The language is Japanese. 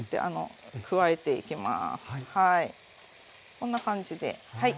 こんな感じではい。